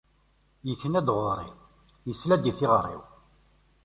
Ikna-d ɣur-i, isla-d i tiɣri-w.